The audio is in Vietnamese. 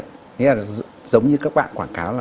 thế là giống như các bạn quảng cáo là